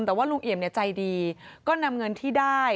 แต่ว่าลุงเอี่ยมใจดีก็นำเงินที่ได้